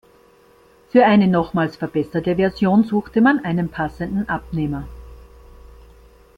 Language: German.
Für eine nochmals verbesserte Version suchte man einen passenden Abnehmer.